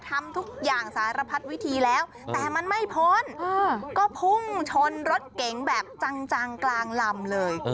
ทำทุกอย่างสารพัดวิธีแล้วแต่มันไม่พ้นก็พุ่งชนรถเก๋งแบบจังกลางลำเลย